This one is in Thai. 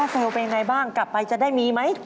แผงโทรเซลล์เป็นอย่างไรบ้างกลับไปจะได้มีไหม